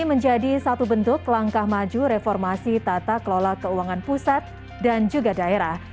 menjadi satu bentuk langkah maju reformasi tata kelola keuangan pusat dan juga daerah